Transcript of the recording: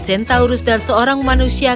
centaurus dan seorang manusia